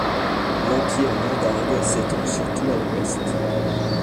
L'Empire Mandingue s'étend, surtout à l'Ouest.